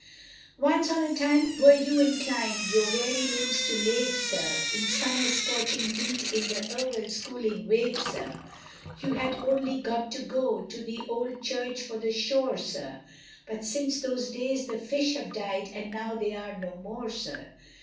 Once on a time were you inclin'd, your weary limbs to lave, sir, In summer's scorching heat in the Irwell's cooling wave, sir; You had only got to go to the Old Church for the shore, sir, But since those days the fish have died, and now they are no more, sir.